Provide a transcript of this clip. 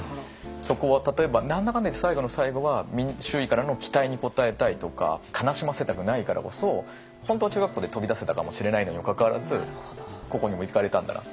そこは例えば何だかんだいって最後の最後は周囲からの期待に応えたいとか悲しませたくないからこそ本当は中学校で飛び出せたかもしれないのにもかかわらず高校にも行かれたんだな。